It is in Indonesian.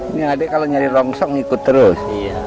ini adik kalau nyari rongsong ikut terus